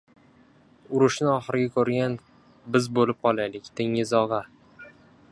Urushni oxirgi ko‘rgan biz bo‘lib qolaylik, Tengiz og‘a...